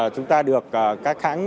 chúng ta được các khán giả